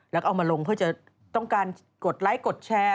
แล้วก็เอามาลงเพื่อจะต้องการกดไลค์กดแชร์